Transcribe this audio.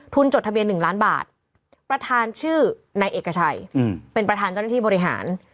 จดทะเบียน๑ล้านบาทประธานชื่อนายเอกชัยเป็นประธานเจ้าหน้าที่บริหาร